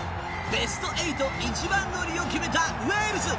ベスト８、一番乗りを決めたウェールズ。